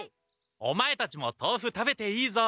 オマエたちも豆腐食べていいぞ。